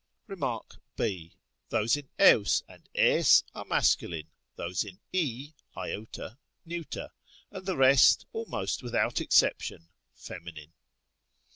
Rem. b. Those in evs and ys are masculine, those in ἰ neuter, and the rest (almost without exception) feminine.